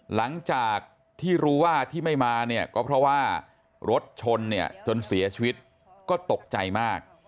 หลังจากที่รู้ว่าที่ไม่มาเนี่ยก็เพราะว่ารถชนเนี่ยจนเสียชีวิตก็ตกใจมาก